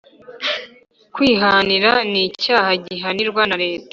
Kwihanira ni icyaha gihanirwa na leta